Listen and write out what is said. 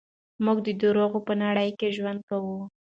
موږ د دروغو په نړۍ کې ژوند کوو.